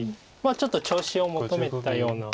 ちょっと調子を求めたような。